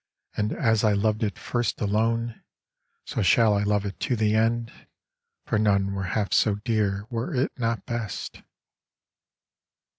And as I loved it first alone, So shall I love it to the end, For none were half so dear were it not best.